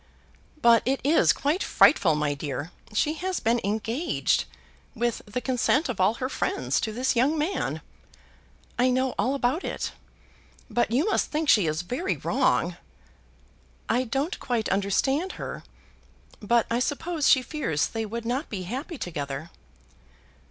"But it is quite frightful, my dear. She has been engaged, with the consent of all her friends, to this young man." "I know all about it." "But you must think she is very wrong." "I don't quite understand her, but I suppose she fears they would not be happy together."